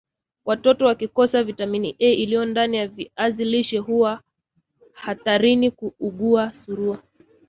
Watoto wakikosa vitamini A iliyo ndani ya viazi lishe huwa hatarini kuugua surua